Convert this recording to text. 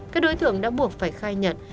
các đối tượng đã buộc phải khai nhận